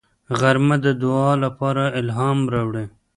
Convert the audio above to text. غرمه د دعا لپاره الهام راوړي